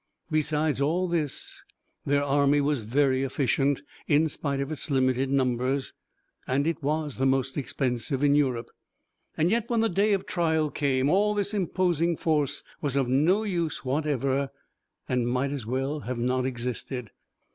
Besides all this, their army was very efficient, in spite of its limited numbers, and it was the most expensive in Europe. Yet when the day of trial came, all this imposing force was of no use whatever, and might as well have not existed.